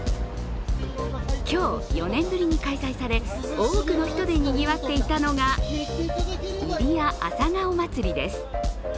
今日４年ぶりに開催され多くの人でにぎわっていたのが入谷朝顔まつりです。